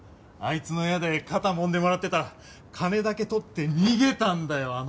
あいつの部屋で肩もんでもらってたら金だけ取って逃げたんだよ